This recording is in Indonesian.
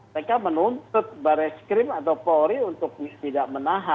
mereka menuntut baris krim atau pluri tidak menahan